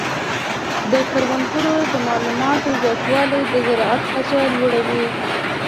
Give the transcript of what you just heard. د کروندګرو د معلوماتو زیاتوالی د زراعت کچه لوړه وي.